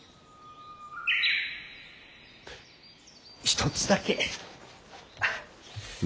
一つだけ。